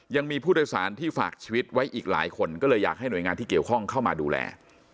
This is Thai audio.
ยังมีผู้โดยสารที่ฝากชีวิตไว้อีกหลายคนก็เลยอยากให้หน่วยงานที่เกี่ยวข้องเข้ามาดูแล